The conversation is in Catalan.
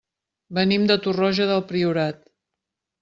Venim de Torroja del Priorat.